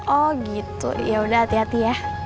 oh begitu ya baiklah